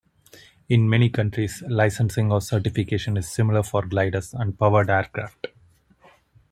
In many countries, licensing or certification is similar for gliders and powered aircraft.